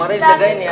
mari jagain ya